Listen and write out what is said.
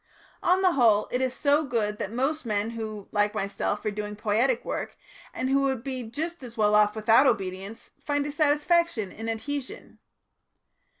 On the whole, it is so good that most men who, like myself, are doing poietic work, and who would be just as well off without obedience, find a satisfaction in adhesion.